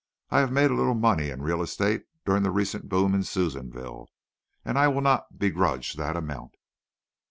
I have made a little money in real estate during the recent boom in Susanville, and I will not begrudge that amount."